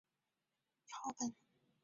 鹿八日虎爪等鹿皮手抄本上。